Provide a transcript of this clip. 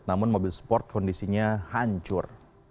namun mobil sport kondisinya hancur